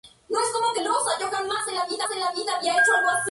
Las cruces de póquer ofrecen torneos en el mar.